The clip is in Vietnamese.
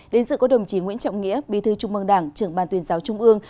đến sự có đồng chí nguyễn trọng nghĩa bí thư trung mương đảng trưởng ban tuyên giáo trung ương